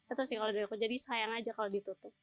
itu sih kalau dari aku jadi sayang aja kalau ditutup